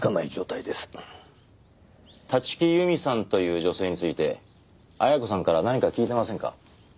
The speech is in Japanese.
立木由美さんという女性について亜矢子さんから何か聞いてませんか？